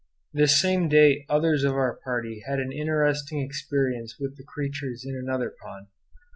This same day others of our party had an interesting experience with the creatures in another pond.